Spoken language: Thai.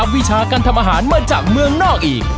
เกล็ดรับวิชาการทำอาหารมาจากเมืองนอกอีก